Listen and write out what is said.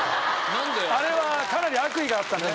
あれはかなり悪意があったね。